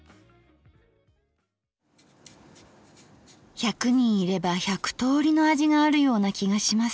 １００人いれば１００通りの味があるような気がします